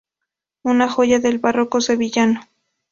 Una joya del barroco sevillano.